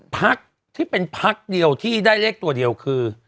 พักที่เป็นพักเดียวที่ได้เลขตัวเดียวคือ